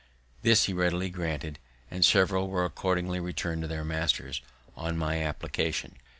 This he readily granted, and several were accordingly return'd to their masters, on my application.